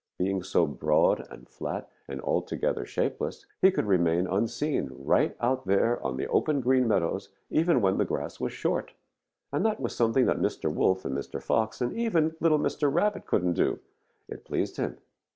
Being so broad and flat and altogether shapeless, he could remain unseen right out there on the open Green Meadows even when the grass was short, and that was something that Mr. Wolf and Mr. Fox and even little Mr. Rabbit couldn't do. It pleased him.